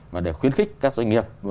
mà để khuyến khích các doanh nghiệp